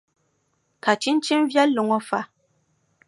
Ka chinchini viɛlli ŋɔ fa?